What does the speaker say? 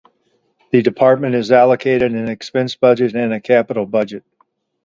The department is allocated an expense budget and a capital budget.